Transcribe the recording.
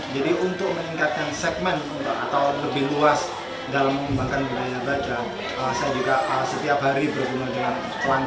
jadi untuk meningkatkan segmen atau lebih luas dalam mengembangkan budaya baca